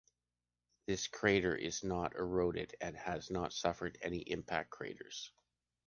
This crater is not eroded and has not suffered any impact craters.